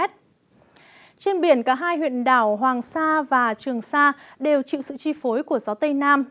trên biển cả hai huyện đảo hoàng sa và trường sa đều chịu sự chi phối của gió tây nam